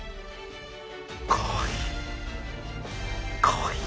かわいい！